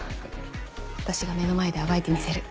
私が目の前で暴いてみせる。